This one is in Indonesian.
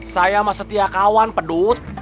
saya sama setia kawan pedut